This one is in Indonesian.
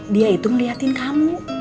dia itu melihatin kamu